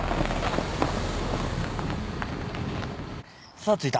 さあ着いた。